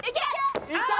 いった！